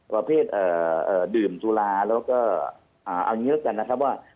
ประเภทดื่มสุราแล้วก็เอาอย่างนี้แล้วกันนะครับว่า